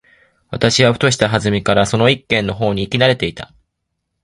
私はふとした機会（はずみ）からその一軒の方に行き慣（な）れていた。